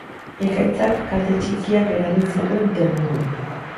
Ekaitzak kalte txikiak eragin zituen Ternuan.